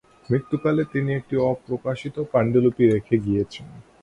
মৃত্যুকালে তিনি একটি অপ্রকাশিত পাণ্ডুলিপি রেখে গিয়েছেন।